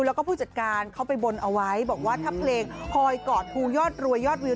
แล้วก็ผู้จัดการเขาไปบนเอาไว้บอกว่าถ้าเพลงพลอยกอดภูยอดรวยยอดวิว